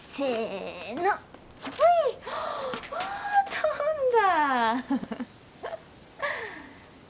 飛んだ！